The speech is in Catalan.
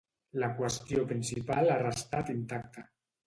La qüestió principal ha restat intacta.